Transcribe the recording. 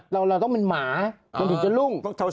เราต้องเป็นหมามันถึงจะรุ่ง